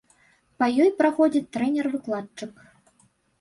Па ёй праходзіць трэнер-выкладчык.